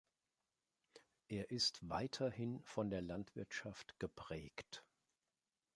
Er ist weiterhin von der Landwirtschaft geprägt.